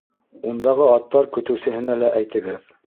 Ундағы аттар көтөүсеһенә лә әйтегеҙ.